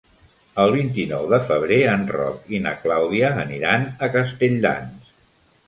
El vint-i-nou de febrer en Roc i na Clàudia aniran a Castelldans.